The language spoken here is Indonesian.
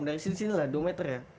dari sini sini lah dua meter ya